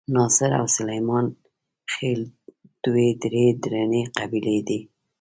ناصر او سلیمان خېل دوې ډېرې درنې قبیلې دي.